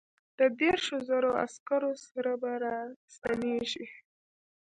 د دیرشو زرو عسکرو سره به را ستنېږي.